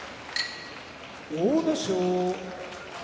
阿武咲